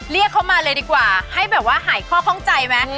เรียกเขามาเลยดีกว่าให้แบบว่าหายข้อข้องใจไหม